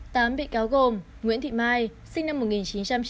tám bị cáo gồm nguyễn thị mai sinh năm một nghìn chín trăm chín mươi bảy